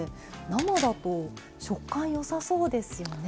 生だと食感よさそうですよね。